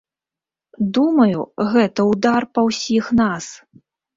Думаю, гэта ўдар па ўсіх нас.